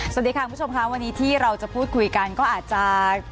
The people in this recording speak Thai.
สวัสดีค่ะคุณผู้ชมค่ะวันนี้ที่เราจะพูดคุยกันก็อาจจะ